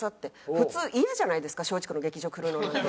普通嫌じゃないですか松竹の劇場来るのなんて。